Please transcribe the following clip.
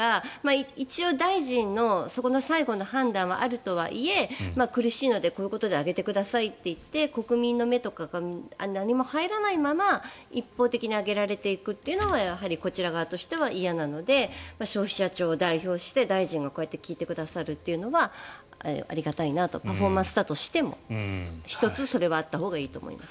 一応、大臣の最後の判断はあるとはいえ苦しいので、こういうことで上げてくださいと言って国民の目とかが何も入らないまま一方的に上げられていくというのはやはりこちら側としては嫌なので消費者庁が代表して大臣がこうやって聞いてくださるというのはありがたいなとパフォーマンスだとしても１つ、それはあったほうがいいと思います。